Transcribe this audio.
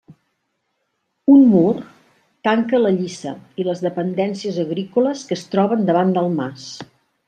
Un mur tanca la lliça i les dependències agrícoles que es troben davant del mas.